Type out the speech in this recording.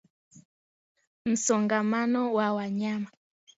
Msongamano wa wanyama